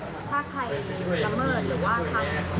ถ้าใครละเมิดหรือว่าทำ